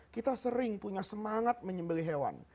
kita sering punya semangat menyembeli hewan